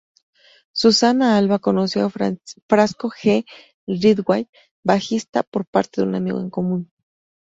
Susana Alva, conoció a Frasco G. Ridgway, bajista, por parte de un amigo en común.